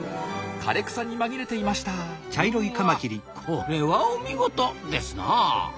これはお見事ですなあ。